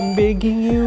i'm begging you